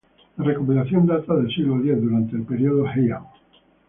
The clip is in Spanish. La recopilación data del siglo X, durante el período Heian.